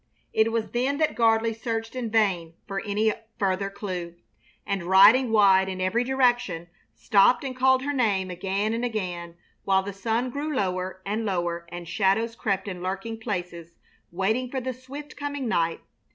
It was then that Gardley searched in vain for any further clue, and, riding wide in every direction, stopped and called her name again and again, while the sun grew lower and lower and shadows crept in lurking places waiting for the swift coming night.